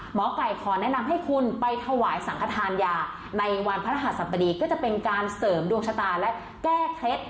หมอไก่ขอแนะนำให้คุณไปถวายสังขทานยาในวันพระหัสบดีก็จะเป็นการเสริมดวงชะตาและแก้เคล็ด